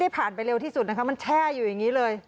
ผ่านไปเร็วที่สุดนะคะมันแช่อยู่อย่างนี้เลย